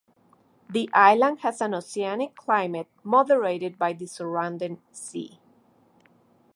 The island has an oceanic climate moderated by the surrounding sea.